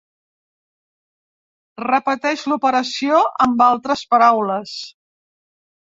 Repeteix l'operació amb altres paraules.